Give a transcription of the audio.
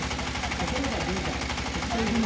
ところが現在特定技能